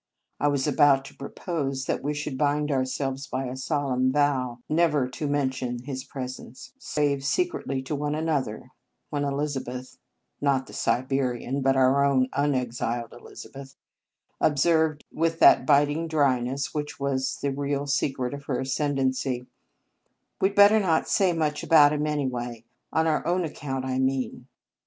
I was about to propose that we should bind ourselves by a solemn vow never to mention his pre sence, save secretly to one another, when Elizabeth not the Siberian, but our own unexiled Elizabeth ob served with that biting dryness which was the real secret of her ascendency: " We d better not say much about him, anyway. On our own account, I mean."